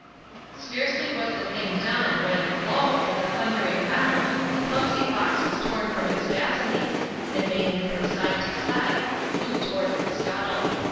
Scarcely was the thing done, when lo ! with a thundering bound, the clumsy box was torn from its fastenings, and banging from side to side, flew towards the scuttle.